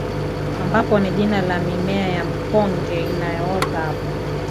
ambapo ni jina la mimea ya mkonge inayoota hapo